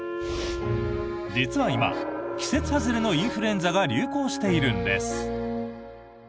実は今季節外れのインフルエンザが流行しているんです。